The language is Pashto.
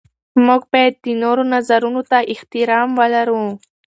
موږ باید د نورو نظرونو ته احترام ولرو.